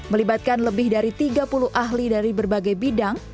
melibatkan lebih dari tiga puluh ahli dari berbagai bidang